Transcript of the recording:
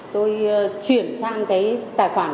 tôi chuyển sang cái tài khoản của em